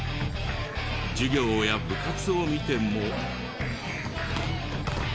授業や部活を見ても。